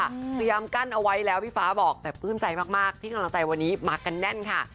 พยายามกั้นเอาไว้แล้วพี่ฟ้าบอกแต่ปลื้มใจมากที่กำลังใจวันนี้มากันแน่นค่ะ